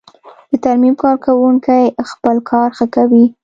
د ترمیم کارکوونکی خپل کار ښه کوي.